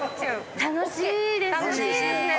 楽しいですね。